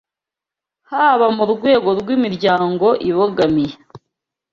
haba mu rwego rw’imiryango ibogamiye